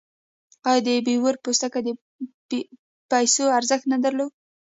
آیا د بیور پوستکي د پیسو ارزښت نه درلود؟